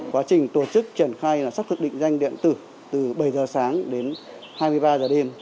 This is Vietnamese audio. quá trình tổ chức triển khai là xác thực định danh điện tử từ bảy giờ sáng đến hai mươi ba giờ đêm